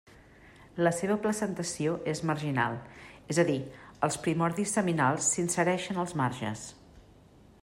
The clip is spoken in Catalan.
La seva placentació és marginal, és a dir, els primordis seminals s'insereixen als marges.